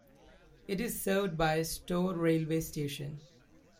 It is served by Stow railway station.